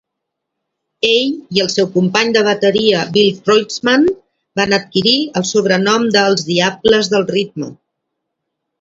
Ell i el seu company de bateria Bill Kreutzmann van adquirir el sobrenom de "els diables del ritme".